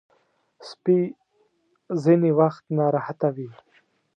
سپي ځینې وخت ناراحته وي.